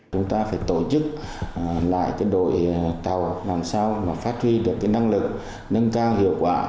chúng ta phải tổ chức lại đội tàu làm sao phát triển được năng lực nâng cao hiệu quả